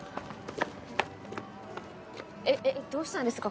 えっどうしたんですか？